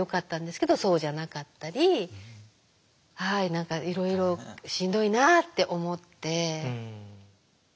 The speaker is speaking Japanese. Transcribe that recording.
何かいろいろしんどいなって思って。